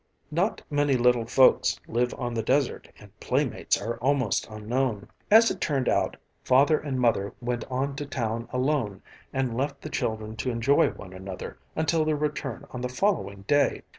Not many little folks live on the desert and playmates are almost unknown. As it turned out, Father and Mother went on to town alone and left the children to enjoy one another until their return on the following day.